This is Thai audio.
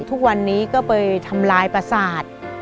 ทุกวันนี้ก็ไปทำลายประสาท